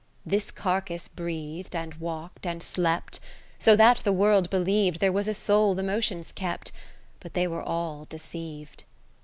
This carcase breath'd, and walkt, and slept. So that the World believ'd There was a soul the motions kept ; But they were all deceiv'd.